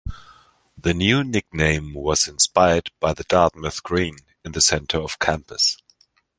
The new nickname was inspired by The Dartmouth Green in the center of campus.